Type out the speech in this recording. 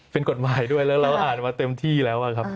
เป็นกฎหมายด้วยแล้วเราอ่านมาเต็มที่แล้วครับ